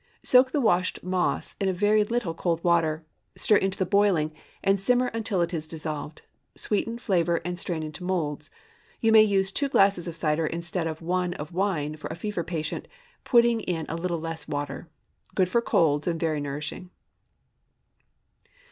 Soak the washed moss in a very little cold water; stir into the boiling, and simmer until it is dissolved. Sweeten, flavor, and strain into moulds. You may use two glasses of cider instead of one of wine for a fever patient, putting in a little less water. Good for colds, and very nourishing.